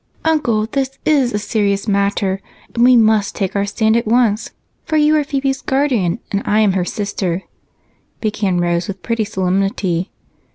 "Uncle, this is a serious matter, and we must take our stand at once, for you are Phebe's guardian and I am her sister," began Rose with pretty solemnity.